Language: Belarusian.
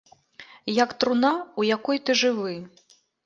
Як труна, у якой ты жывы.